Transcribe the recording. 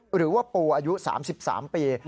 หรือว่าปูอายุ๓๓ปี